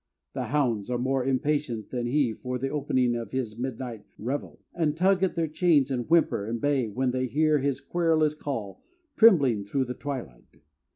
The hounds are more impatient than he for the opening of his midnight revel, and tug at their chains and whimper and bay when they hear his querulous call trembling through the twilight.